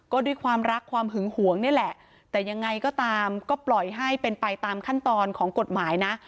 ก็ด้วยความรักความหึงหวงนี่แหละแต่ยังไงก็ตามก็ปล่อยให้เป็นไปตามขั้นตอนของกฎหมายนะ